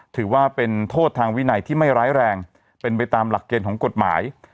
ถือว่าเป็นโทษทางวินัยที่ไม่ร้ายแรงเป็นไปตามหลักเกณฑ์ของกฎหมาย